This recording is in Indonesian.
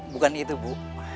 bukan itu bu